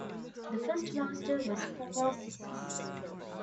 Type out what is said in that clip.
The first master was Papasisis.